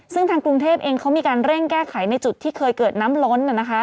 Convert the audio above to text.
ซึ่งทางกรุงเทพเองเขามีการเร่งแก้ไขในจุดที่เคยเกิดน้ำล้น